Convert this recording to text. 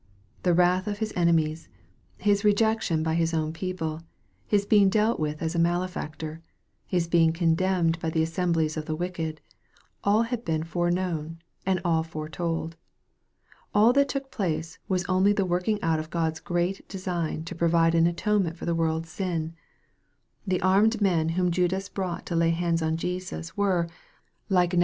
The wrath of His enemies His rejection by His own people His being dealt with as a malefactor His being condemned by the assembly of the wicked all had been foreknown, and all foretold. All that took place was only the working out of God's great design to pro vide an atonement for a world's sin. The armed men whom Judas brought to lay hands on Jesus, were, like MARK, OHAP.